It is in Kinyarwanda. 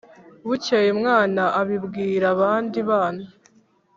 Bukeye umwana abibwira abandi bana.